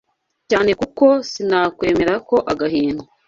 cyane kuko sinakwemera ko agahinda